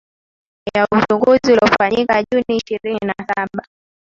ya uchaguzi uliofanyika juni ishirini na saba